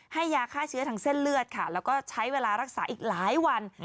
ให้ยาฆ่าเชื้อทางเส้นเลือดค่ะแล้วก็ใช้เวลารักษาอีกหลายวัน